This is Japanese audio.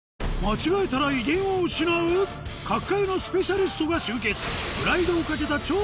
間違えたら威厳を失う⁉各界のスペシャリストが集結